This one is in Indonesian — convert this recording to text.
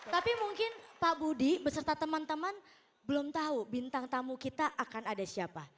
tapi mungkin pak budi beserta teman teman belum tahu bintang tamu kita akan ada siapa